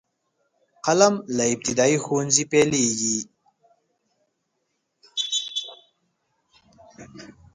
قلم له ابتدايي ښوونځي پیلیږي.